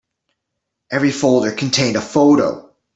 Every folder contained a photo.